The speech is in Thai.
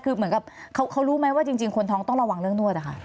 คือเหมือนกับเขารู้ไหมว่าจริงคนท้องต้องระวังเรื่องนวดอะค่ะ